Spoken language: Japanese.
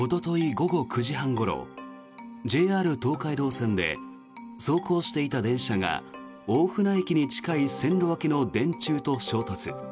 午後９時半ごろＪＲ東海道線で走行していた電車が大船駅に近い線路脇の電柱と衝突。